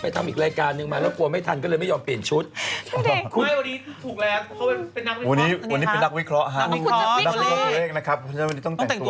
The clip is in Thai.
ทำไมมันไปกับคนละทางน่ะวันนี้